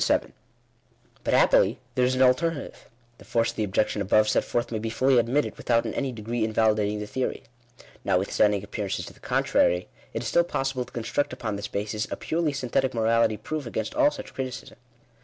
But happily there is an alternative. The force of the objec tion above set forth may be fully admitted, without in any de gree invalidating the theory. Notwithstanding appearances to the contrary, it is still possible to construct upon this basis, a purely synthetic morality proof against all such criticism.